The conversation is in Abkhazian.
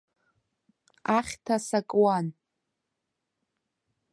Ахьҭа сакуан.